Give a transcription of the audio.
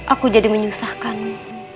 aku jadi menyusahkanmu